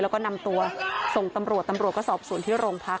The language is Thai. แล้วก็นำตัวส่งตำรวจตำรวจก็สอบส่วนที่โรงพัก